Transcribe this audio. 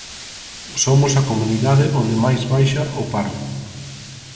Somos a Comunidade onde máis baixa o paro.